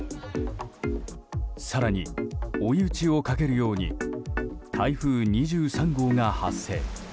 更に、追い打ちをかけるように台風２３号が発生。